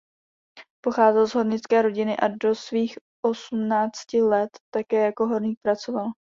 Pocházel z hornické rodiny a do svých osmnácti let také jako horník pracoval.